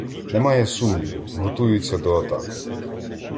Немає сумніву, готуються до атаки.